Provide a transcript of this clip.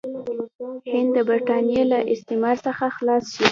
هند د برټانیې له استعمار څخه خلاص شي.